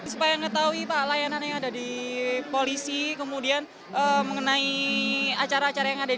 supaya mengetahui pak layanan yang ada di polisi kemudian mengenai acara acara yang ada di